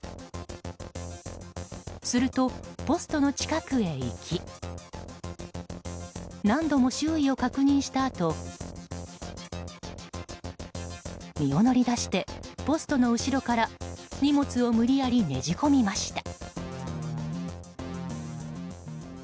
すると、ポストの近くへ行き何度も周囲を確認したあと身を乗り出してポストの後ろから荷物を無理やりねじ込みました。